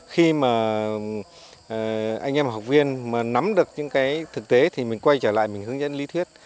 khi mà anh em học viên mà nắm được những cái thực tế thì mình quay trở lại mình hướng dẫn lý thuyết